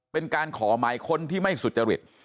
เป็นการขอหมายค้นที่ไม่สุจริต